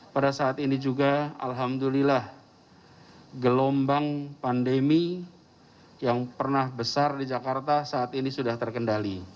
pada saat ini juga alhamdulillah gelombang pandemi yang pernah besar di jakarta saat ini sudah terkendali